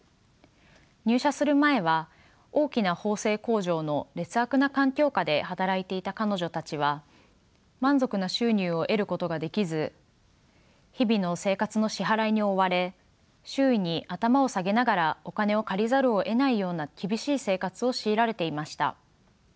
入社する前は大きな縫製工場の劣悪な環境下で働いていた彼女たちは満足な収入を得ることができず日々の生活の支払いに追われ周囲に頭を下げながらお金を借りざるをえないような厳しい生活を強いられていました。